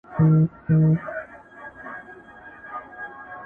د جهاني غزل د شمعي په څېر ژبه لري!